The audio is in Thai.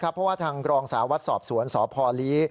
เพราะทางกรองศาวัฏสอบสวนสพลี